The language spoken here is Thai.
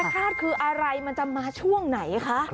พลาดคืออะไรมันจะมาช่วงไหนคะ